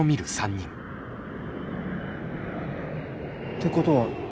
てことは。